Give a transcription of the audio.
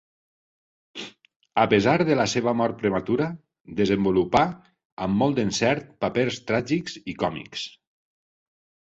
A pesar de la seva mort prematura, desenvolupà amb molt d'encert papers tràgics i còmics.